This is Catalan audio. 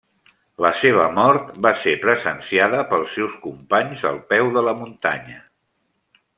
La seva mort va ser presenciada pels seus companys al peu de la muntanya.